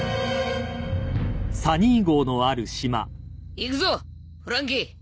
行くぞフランキー